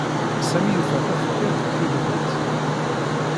Sami yuffa tafekka deg tegnit.